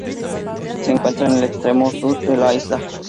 Se encuentra en el extremo sur de la isla.